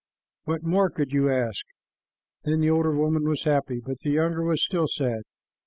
What more could you ask?" Then the older woman was happy, but the younger was still sad.